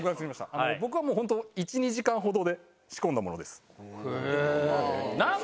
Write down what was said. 僕は本当１２時間ほどで仕込んだものです。